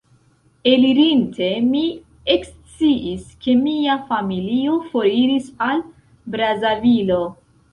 Elirinte, mi eksciis, ke mia familio foriris al Brazavilo.